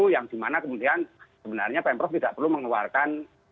yang dimana kemudian sebenarnya pemprov tidak perlu mengeluarkan